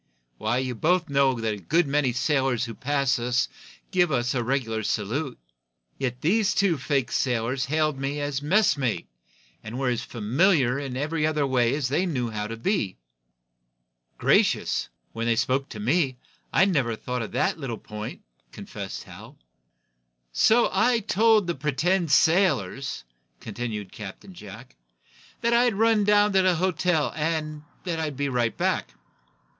Why, you both know that a good many sailors who pass us give us the regular salute. Yet these two fake sailors hailed me as 'messmate' and were as familiar in every other way as they knew how to be." "Gracious! When they spoke to me, I never thought of that little point," confessed Hal. "So I told the pretended sailors," continued Captain Jack, "that I'd run down to the hotel, and that I'd be right back."